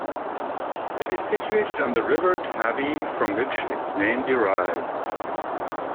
It is situated on the River Tavy from which its name derives.